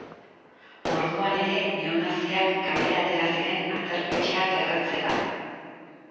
Orduan ere neonaziak kalera atera ziren aterpetxeak erretzera.